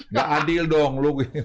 nggak adil dong